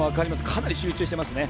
かなり集中してますね。